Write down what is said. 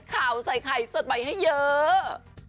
ข่าวใส่ไข่สดใหม่ให้เยอะ